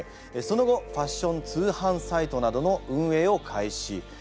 その後ファッション通販サイトなどの運営を開始。